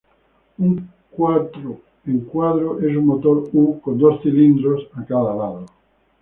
Un cuatro en cuadro es un motor U con dos cilindros a cada lado.